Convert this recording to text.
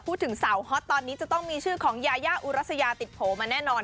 พูดถึงสาวฮอตตอนนี้จะต้องมีชื่อของยายาอุรัสยาติดโผล่มาแน่นอน